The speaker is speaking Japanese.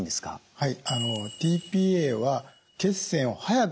はい。